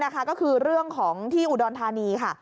ก็คือเรื่องของที่อุดรธานีค่ะ